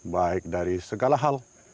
baik dari segala hal